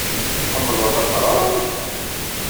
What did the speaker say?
Tḥemmleḍ ad teɣreḍ?